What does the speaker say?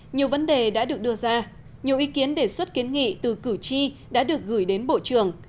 nhiều vấn đề đã được đưa ra nhiều ý kiến đề xuất kiến nghị từ cử tri đã được gửi đến bộ trưởng